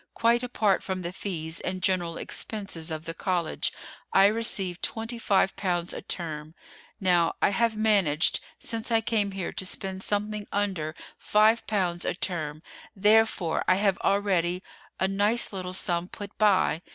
Quite apart from the fees and general expenses of the college, I receive twenty five pounds a term. Now, I have managed since I came here to spend something under five pounds a term, therefore I have already a nice little sum put by.